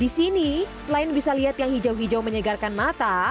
di sini selain bisa lihat yang hijau hijau menyegarkan mata